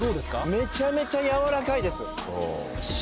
めちゃめちゃ柔らかいです。